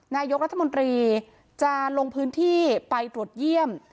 นายกรัฐมนตรีจะลงพื้นที่ไปตรวจเยี่ยม